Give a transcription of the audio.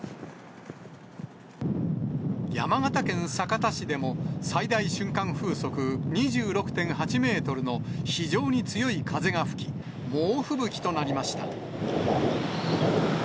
山形県酒田市でも、最大瞬間風速２６．８メートルの非常に強い風が吹き、猛吹雪となりました。